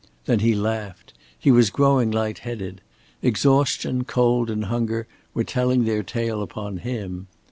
Then he laughed. He was growing light headed. Exhaustion, cold and hunger were telling their tale upon him.